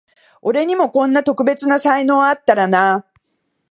俺にもこんな特別な才能あったらなあ